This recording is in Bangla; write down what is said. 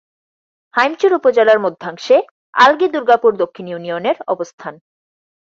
হাইমচর উপজেলার মধ্যাংশে আলগী দুর্গাপুর দক্ষিণ ইউনিয়নের অবস্থান।